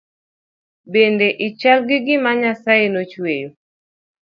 Bende i chal gi gima nyasaye no chweyo